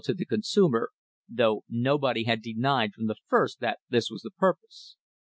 THE OIL WAR OF 1872 the consumer, though nobody had denied from the first that this was the purpose.